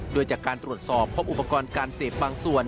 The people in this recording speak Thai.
โดยจากการตรวจสอบพบอุปกรณ์การเสพบางส่วน